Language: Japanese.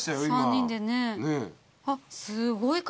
３人でね。